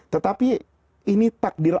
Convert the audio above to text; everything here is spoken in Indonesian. tetapi ini takdir